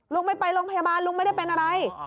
ไม่ไปโรงพยาบาลลุงไม่ได้เป็นอะไร